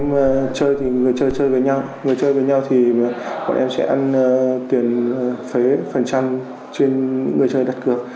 người chơi thì người chơi chơi với nhau người chơi với nhau thì bọn em sẽ ăn tiền phế phần trăm trên người chơi đặt cược